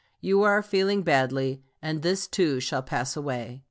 You are feeling badly 'And this too shall pass away.'